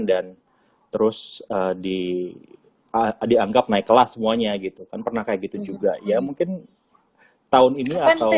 dan terus dianggap naik kelas semuanya gitu kan pernah kayak gitu juga ya mungkin tahun ini atau